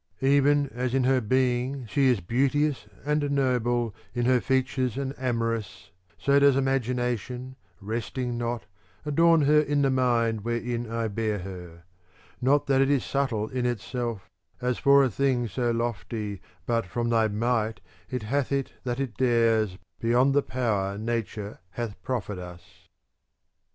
Even as in her being she is beauteous, and noble in her features* and amorous, so does imagination, rest ing not, adorn her in the mind wherein I bear her : Not that it^ is subtle in itself as for a thing so lofty, butfrom thy might it hath it that it dares be yond the power nature hath proffered us.